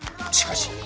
しかし